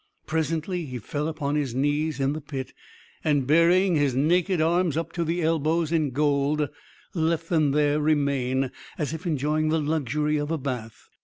Presently he fell upon his knees in the pit, and burying his naked arms up to the elbows in gold, let them there remain, as if enjoying the luxury of a bath.